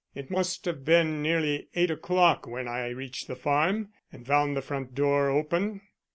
It must have been nearly eight o'clock when I reached the farm and found the front door open."